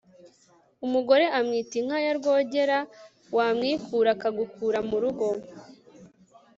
umugore umwita inka ya rwogera wamwikura akagukura mu rugo